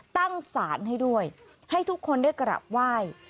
ตั้งสารให้ด้วยให้ทุกคนได้กราบไหว้